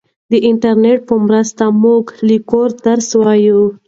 د انټرنیټ په مرسته موږ له کوره درس وایو.